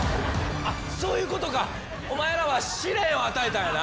そういうことかお前らは試練を与えたんやな。